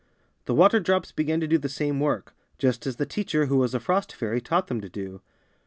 The water drops began to do the same work — just as the teacher, who was a frost fairy, taught them to do.